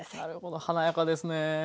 なるほど華やかですね。